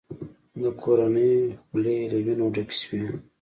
د کورنۍ خولې له وینو ډکې شوې.